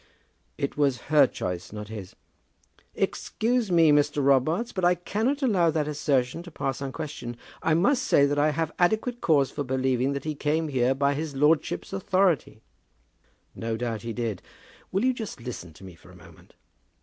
"It was her choice, not his." "Excuse me, Mr. Robarts, but I cannot allow that assertion to pass unquestioned. I must say that I have adequate cause for believing that he came here by his lordship's authority." "No doubt he did. Will you just listen to me for a moment?